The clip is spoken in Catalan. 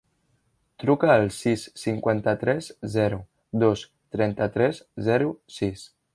Truca al sis, cinquanta-tres, zero, dos, trenta-tres, zero, sis.